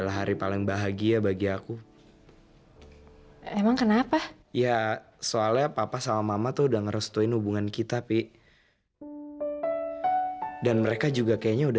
sampai jumpa di video selanjutnya